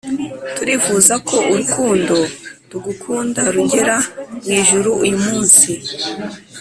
turifuza ko urukundo tugukunda rugera mwijuru uyu munsi